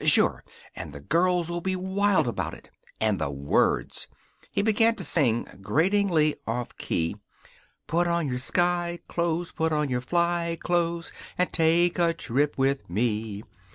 "Sure. And the girls'll be wild about it. And the words!" He began to sing, gratingly off key: Put on your sky clothes, Put on your fly clothes, And take a trip with me.